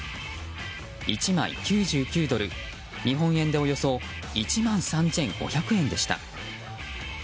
１枚９９ドル、日本円でおよそ１万３５００円でした。